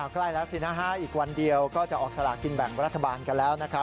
ใกล้แล้วสินะฮะอีกวันเดียวก็จะออกสลากินแบ่งรัฐบาลกันแล้วนะครับ